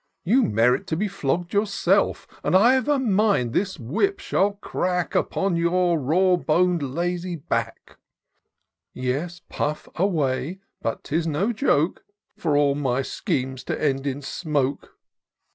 You merit to be flogg'd yourself; X X 338 TOUR OF DOCTOR SYNTAX And I've a mind this whip shall crack Upon your raw bon'd lazy back. Yes, pufF away — ^but 'tis no joke For all my schemes to end in smoke.